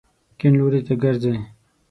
کیڼ لوري ته ګرځئ